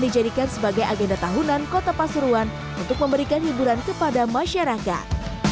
dijadikan sebagai agenda tahunan kota pasuruan untuk memberikan hiburan kepada masyarakat